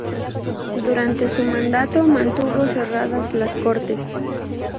Durante su mandato mantuvo cerradas las Cortes.